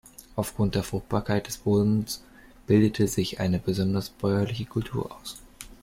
Aufgrund der Fruchtbarkeit des Bodens bildete sich eine besondere bäuerliche Kultur aus.